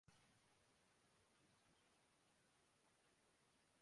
اور اونچ نیچ کے باوجود